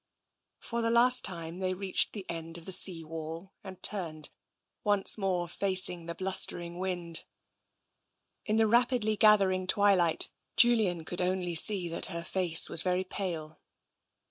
For the last time, they reached the end of the sea wall and turned, once more facing the blustering wind. In the rapidly gathering twilight Julian could only see that her face was very pale.